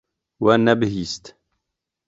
We nebihîst.